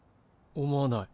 思わない。